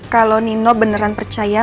kalau nino beneran percaya